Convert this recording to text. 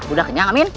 udah kenyang amin